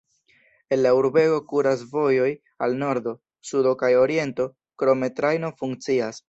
El la urbego kuras vojoj al nordo, sudo kaj oriento, krome trajno funkcias.